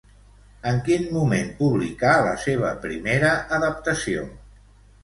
En quin moment publicà la seva primera adaptació?